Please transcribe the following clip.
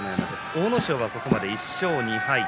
阿武咲は、ここまで１勝２敗。